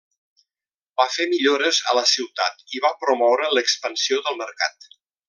Va fer millores a la ciutat i va promoure l'expansió del mercat.